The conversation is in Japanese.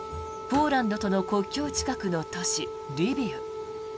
ポーランドとの国境近くの都市リビウ。